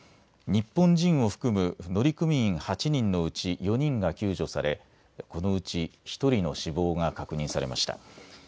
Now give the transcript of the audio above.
日本人を含む乗組員８人のうち４人が救助されこのうち１人の死亡が確認されました。